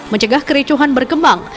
mencegah kericuhan berkembang